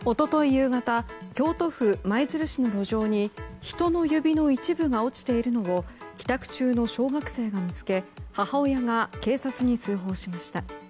夕方京都府舞鶴市の路上に人の指の一部が落ちているのを帰宅中の小学生が見つけ母親が警察に通報しました。